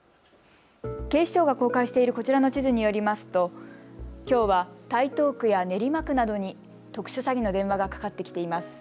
警視庁が公開しているこちらの地図によりますときょうは台東区や練馬区などに特殊詐欺の電話がかかってきています。